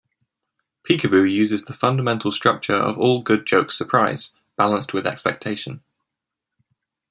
Peekaboo uses the fundamental structure of all good jokes-surprise, balanced with expectation.